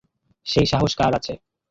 সেই সাহস কার আছে?